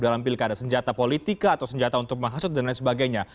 dalam pilkada senjata politika atau senjata untuk menghasut dan lain sebagainya